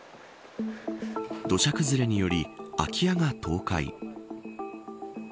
土砂崩れにより空き家が倒壊。